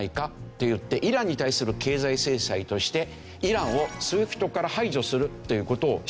っていってイランに対する経済制裁としてイランをＳＷＩＦＴから排除するという事をしたんですよ。